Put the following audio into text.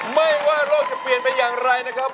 ไม่ว่าโลกจะเปลี่ยนไปอย่างไรนะครับ